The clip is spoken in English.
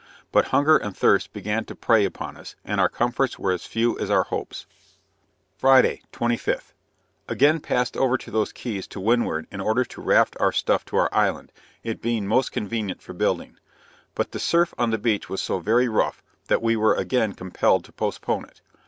But hunger and thirst began to prey upon us, and our comforts were as few as our hopes. Friday, 25th. Again passed over to those Keys to windward in order to raft our stuff to our island, it being most convenient for building. But the surf on the beach was so very rough, that we were again compelled to postpone it.